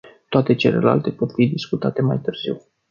Toate celelalte pot fi discutate mai târziu.